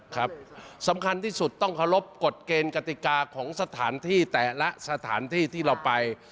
ครับสำคัญที่สุดต้องเคารพกฎเกณฑ์กติกาของสถานที่แต่ละสถานที่ที่เราไป